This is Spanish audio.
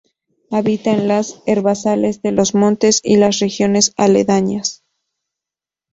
Habita en los herbazales de los montes y las regiones aledañas.